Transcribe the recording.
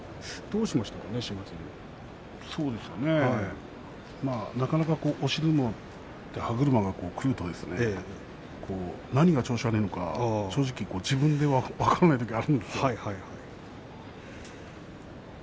そうですよねなかなか押し相撲って歯車が狂うと何が調子が悪いのか正直自分でも分からないときがあるんですね。